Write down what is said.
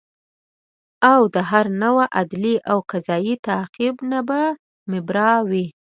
او د هر نوع عدلي او قضایي تعقیب نه به مبرا وي